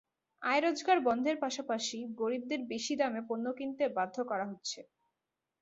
আয়-রোজগার বন্ধের পাশাপাশি গরিবদের বেশি দামে পণ্য কিনতে বাধ্য করা হচ্ছে।